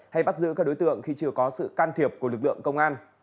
hay bắt giữ các đối tượng khi chưa có sự can thiệp của lực lượng công an